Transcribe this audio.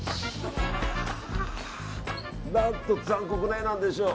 何と残酷な画なんでしょう。